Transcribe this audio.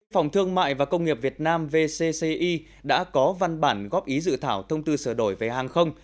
phòng thương mại và công nghiệp việt nam vcci đã có văn bản góp ý dự thảo thông tư sửa đổi về hàng không